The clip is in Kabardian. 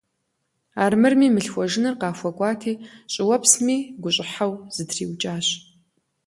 Армырми мылъхуэжыныр къахуэкӀуати, щӀыуэпсми гущӀыхьэу зэтриукӀащ.